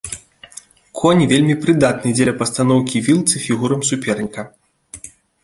Конь вельмі прыдатны дзеля пастаноўкі вілцы фігурам суперніка.